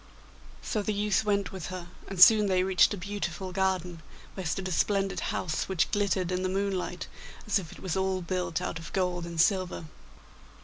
So the youth went with her, and soon they reached a beautiful garden, where stood a splendid house, which glittered in the moonlight as if it was all built out of gold and silver.